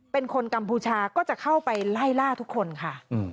เป็นคนกัมพูชาก็จะเข้าไปไล่ล่าทุกคนค่ะ